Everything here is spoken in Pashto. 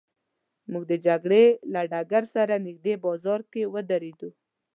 موږ د جګړې له ډګر سره نږدې بازار کې ودرېدو.